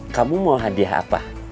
kamu mau hadiah apa